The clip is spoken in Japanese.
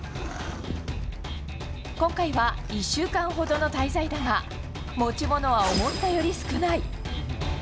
今回は１週間ほどの滞在だが、持ち物は思ったより少ない。